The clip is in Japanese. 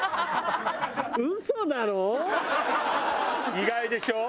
意外でしょ？